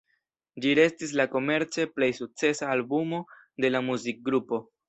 Ĝi restis la komerce plej sukcesa albumo de la muzikgrupo.